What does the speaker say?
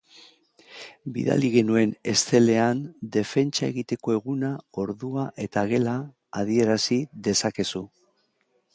Bidali genuen Excell-ean defentsa egiteko eguna, ordua eta gela adierazidezakezu.